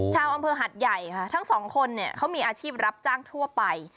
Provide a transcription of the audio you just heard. ชาวอำเภอหัดใหญ่ค่ะทั้งสองคนเนี่ยเขามีอาชีพรับจ้างทั่วไป